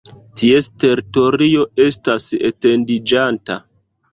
Ties teritorio estas etendiĝanta.